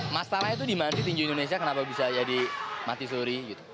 masalahnya itu dimana tinju indonesia kenapa bisa jadi mati suri gitu